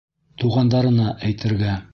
Туғандарына әйтергә.